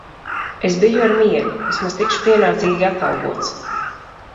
Es biju ar mieru, vismaz tikšu pienācīgi atalgots.